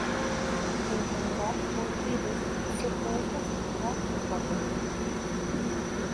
En general, un riddim se puede clasificar en cuatro tipos.